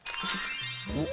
おっ！